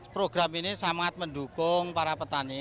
program ini sangat mendukung para petani